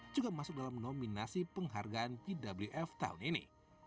juga masuk dalam nominasi penghargaan bwf tahun ini